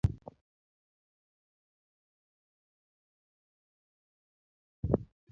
Kata nopenjo kane oneno mor mar jatich.